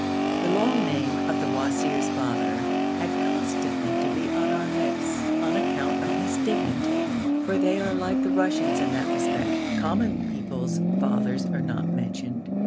The long name of the wazir's father had constantly to be on our lips on account of his dignity, for they are like the Russians in that respect common people's fathers are not mentioned.